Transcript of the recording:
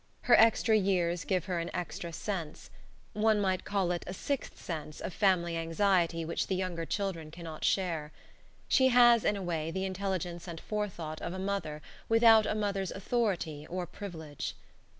Her extra years give her an extra sense. One might call it a sixth sense of family anxiety which the younger children cannot share. She has, in a way, the intelligence and forethought of a mother without a mother's authority or privilege.